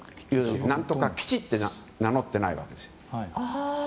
何とか基地って名乗ってないわけですよ。